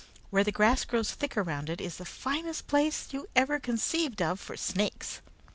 Where the grass grows thick around it, is the finest place you ever conceived of for snakes.